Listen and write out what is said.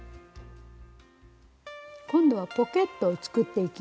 今度はポケットを作っていきます。